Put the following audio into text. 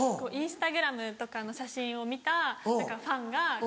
インスタグラムとかの写真を見たファンが。